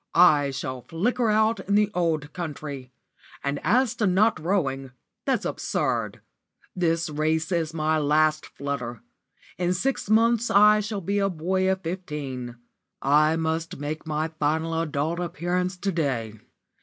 "I shall flicker out in the old country. And as to not rowing, that's absurd. This race is my last flutter. In six months I shall be a boy of fifteen. I must make my final adult appearance to day.